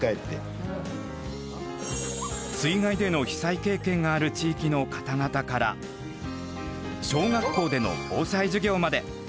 水害での被災経験がある地域の方々から小学校での防災授業まで。